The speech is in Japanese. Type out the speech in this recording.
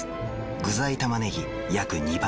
具材たまねぎ約２倍。